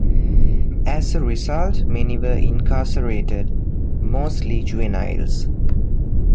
As a result many were incarcerated, mostly juveniles.